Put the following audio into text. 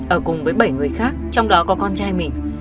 ở cùng với bảy người khác trong đó có con trai mình